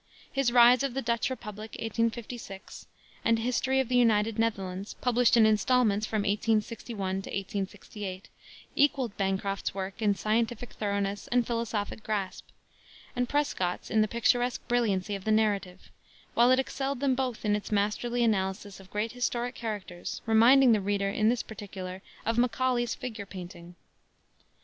His Rise of the Dutch Republic, 1856, and History of the United Netherlands, published in installments from 1861 to 1868, equaled Bancroft's work in scientific thoroughness and philosophic grasp, and Prescott's in the picturesque brilliancy of the narrative, while it excelled them both in its masterly analysis of great historic characters, reminding the reader, in this particular, of Macaulay's figure painting.